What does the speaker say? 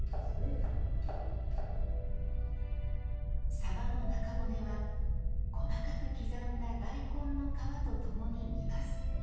さばの中骨は、細かく刻んだ大根の皮とともに煮ます。